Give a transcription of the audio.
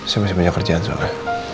saya masih banyak kerjaan sebenarnya